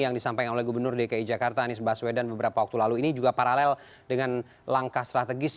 yang disampaikan oleh gubernur dki jakarta anies baswedan beberapa waktu lalu ini juga paralel dengan langkah strategis